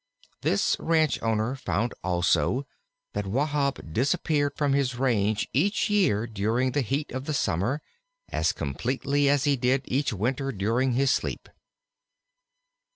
This ranch owner found also that Wahb disappeared from his range each year during the heat of the summer, as completely as he did each winter during his sleep.